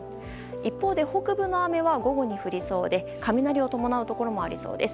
一方で、北部の雨は午後に降りそうで雷を伴うところもありそうです。